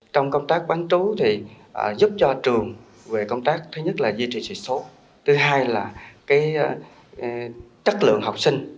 trong công tác bán chú thì giúp cho trường về công tác thứ nhất là duy trì sự số thứ hai là cái chất lượng học sinh